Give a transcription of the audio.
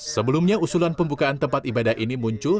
sebelumnya usulan pembukaan tempat ibadah ini muncul